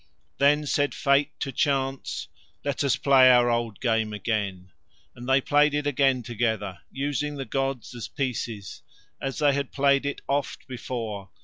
Then said Fate to Chance: "Let us play our old game again." And they played it again together, using the gods as pieces, as they had played it oft before.